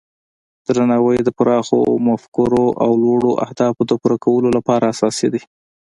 درناوی د پراخو مفکورو او لوړو اهدافو د پوره کولو لپاره اساسي دی.